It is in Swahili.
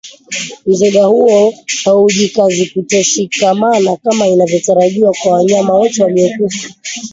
Mzoga huo haujikazikutoshikamana kama inavyotarajiwa kwa wanyama wote waliokufa